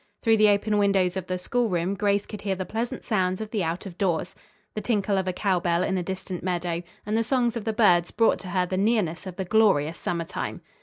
Through the open windows of the schoolroom Grace could hear the pleasant sounds of the out of doors. The tinkle of a cow bell in a distant meadow and the songs of the birds brought to her the nearness of the glorious summer time.